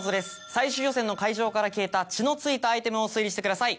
最終予選の会場から消えた血のついたアイテムを推理してください。